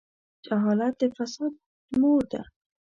جهالت د فساد مور ده.